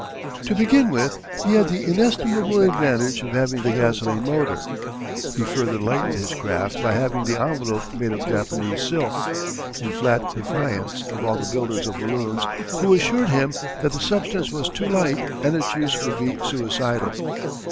To begin with he had the inestimable advantage of having the gasoline motor. He further lightened his craft by having the envelope made of Japanese silk, in flat defiance of all the builders of balloons who assured him that the substance was too light and its use would be suicidal.